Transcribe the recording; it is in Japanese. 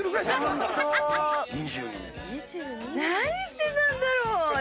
何してたんだろう？